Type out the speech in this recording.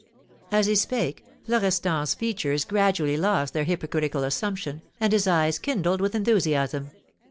As he spake, Florestan's features gradually lost their hypocritical assumption, and his eyes kindled with enthusiasm.